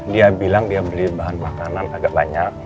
dia bilang dia beli bahan makanan agak banyak